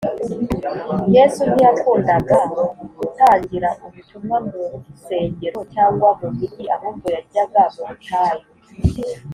Yesu ntiyakundaga gutangira ubutumwa munsengero cyangwa mu migi ahubwo yajyaga mu butayu